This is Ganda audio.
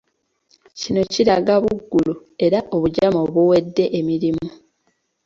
Kino kiraga buggulu era obujama obuwedde emirimu.